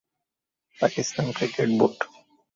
Pakistan cricket board.